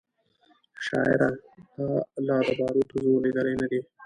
شاعره تا لا د باروتو زور لیدلی نه دی